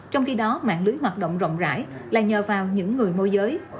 trong khi đó mạng lưới hoạt động rộng rãi là nhờ vào những người môi giới